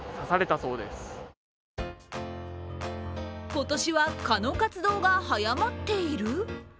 今年は蚊の活動が早まっている？